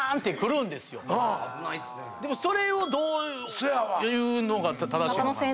でもそれをどう言うのが正しいのか。